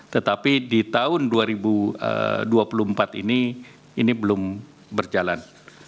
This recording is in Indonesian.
tetapi di tahun dua ribu dua puluh empat ini ini belum berjalan